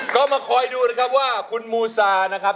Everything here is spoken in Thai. ก็มาคอยดูนะครับว่าคุณมูซานะครับ